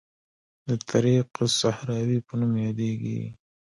د طریق الصحراوي په نوم یادیږي.